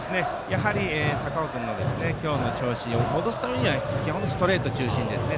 高尾君の今日の調子を戻すためには基本ストレート中心ですね。